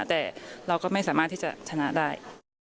แต่เราก็ไม่สามารถที่จะชนะได้